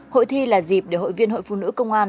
hội thi là dịp để hội viên hội phụ nữ công an